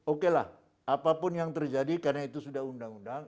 okelah apapun yang terjadi karena itu sudah undang undang